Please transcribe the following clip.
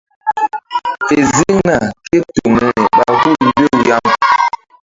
Fe ziŋna ke toŋ niri ɓa hul mbew yaŋ.